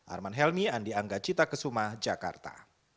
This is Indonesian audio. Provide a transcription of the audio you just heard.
arman helmi andi angga cita kesumah jakarta